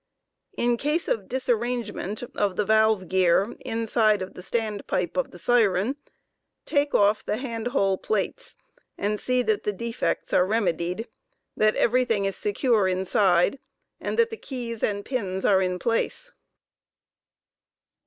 In case of disarrangement of the valve gear inside of the stand pipe of the vaw*gev. siren, take off the hand hole plates, and see that the defects are remedied j that every thing is secure inside, and thatthe keys and pins are in place.